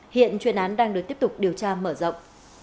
hiện chuyên án đang được tiếp tục điều tra mở rộng